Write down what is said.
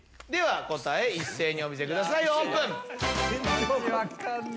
答え一斉にお見せくださいオープン！